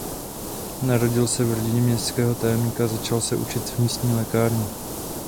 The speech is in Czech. Narodil se v rodině městského tajemníka a začal se učit v místní lékárně.